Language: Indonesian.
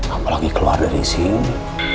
apalagi keluar dari sini